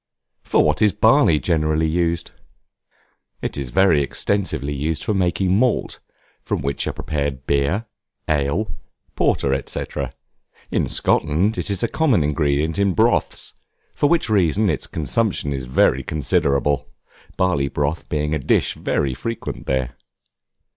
For what is Barley generally used? It is very extensively used for making malt, from which are prepared beer, ale, porter, &c. in Scotland it is a common ingredient in broths, for which reason its consumption is very considerable, barley broth being a dish very frequent there.